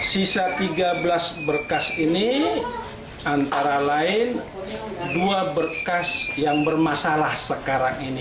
sisa tiga belas berkas ini antara lain dua berkas yang bermasalah sekarang ini